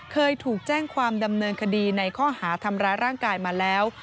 เคยถูกแจ้งความดำเนินคดีในข้อหาทำร้ายร่างกายมาแล้ว